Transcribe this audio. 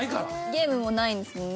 ゲームもないんですもんね。